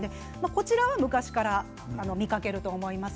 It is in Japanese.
毛髪用は昔から見かけると思います。